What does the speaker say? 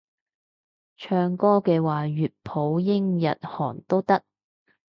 唱歌嘅話粵普英日韓都得